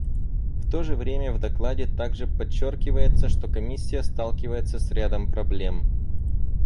В то же время в докладе также подчеркивается, что Комиссия сталкивается с рядом проблем.